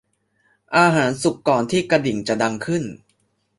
อาหารสุกก่อนที่กระดิ่งจะดังขึ้น